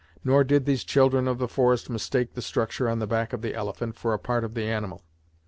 Nor did these children of the forest mistake the structure on the back of the elephant for a part of the animal.